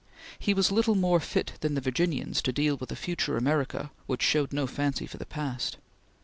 He was little more fit than the Virginians to deal with a future America which showed no fancy for the past.